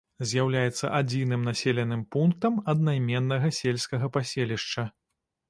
З'яўляецца адзіным населеным пунктам аднайменнага сельскага паселішча.